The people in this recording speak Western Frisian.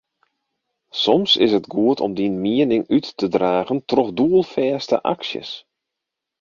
Soms is it goed om dyn miening út te dragen troch doelfêste aksjes.